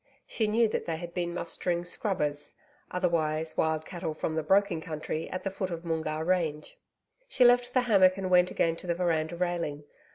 She knew that they had been mustering SCRUBBERS otherwise, wild cattle from the broken country at the foot of Moongarr Range. She left the hammock and went again to the veranda railing.